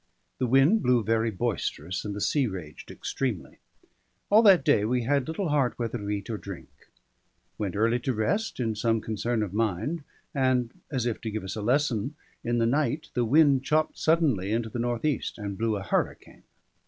The wind blew very boisterous, and the sea raged extremely. All that day we had little heart whether to eat or drink; went early to rest in some concern of mind; and (as if to give us a lesson) in the night the wind chopped suddenly into the north east, and blew a hurricane.